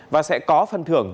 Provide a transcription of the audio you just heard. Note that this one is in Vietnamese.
và sẽ có phân thưởng